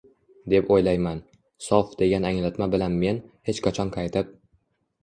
deb o‘ylayman. “Sof” degan anglatma bilan men, hech qachon qaytib